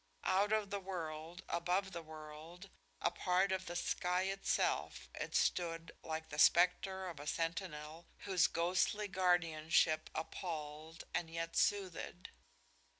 Out of the world, above the world, a part of the sky itself, it stood like the spectre of a sentinel whose ghostly guardian ship appalled and yet soothed.